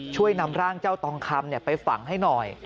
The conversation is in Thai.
ช่วยนำร่างเจ้าตองคำไปฝังให้หน่อย